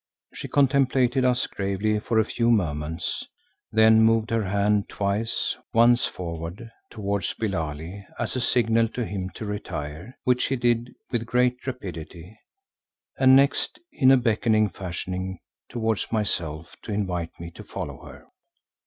She contemplated us gravely for a few moments, then moved her hand twice, once forward, towards Billali as a signal to him to retire, which he did with great rapidity, and next in a beckoning fashion towards myself to invite me to follow her.